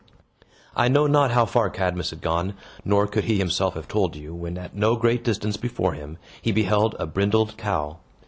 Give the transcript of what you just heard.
I know not how far Cadmus had gone, nor could he himself have told you, when at no great distance before him, he beheld a brindled cow.